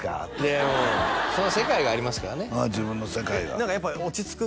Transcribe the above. いやその世界がありますからねああ自分の世界が何かやっぱり落ち着く？